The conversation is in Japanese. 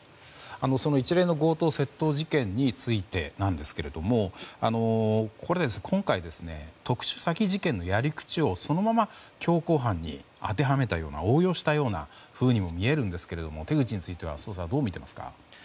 その一連の強盗・窃盗事件についてですが今回、特殊詐欺事件のやり口をそのまま凶行犯に応用したように見えますが手口について、捜査はどう見ていますか。